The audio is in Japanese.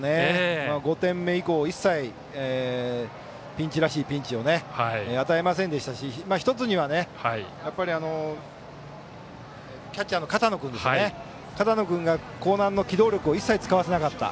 ５点目以降、一切ピンチらしいピンチを与えませんでしたし１つにはキャッチャーの片野君が興南の機動力を一切使わせなかった。